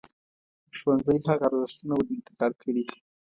ښوونځی هغه ارزښتونه ور انتقال کړي.